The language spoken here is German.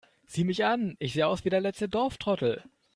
Sieh mich an, ich sehe aus wie der letzte Dorftrottel!